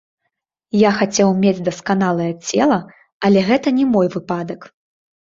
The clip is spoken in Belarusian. Я хацеў мець дасканалае цела, але гэта не мой выпадак.